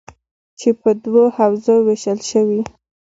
چې په دوو حوزو ویشل شوي: